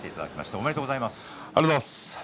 おめでとうございます。